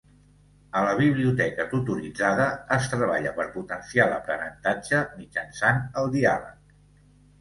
A la biblioteca tutoritzada es treballa per potenciar l'aprenentatge mitjançant el diàleg.